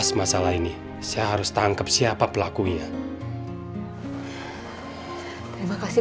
bisa bisa bisa bisa bisa bisa tau tuh semua yang tuhan memberkati